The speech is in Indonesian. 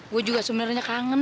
gua juga sebenernya kangen